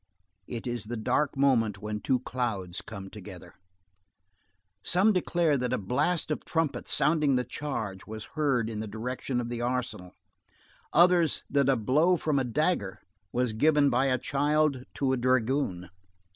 It is the dark moment when two clouds come together. Some declare that a blast of trumpets sounding the charge was heard in the direction of the Arsenal, others that a blow from a dagger was given by a child to a dragoon.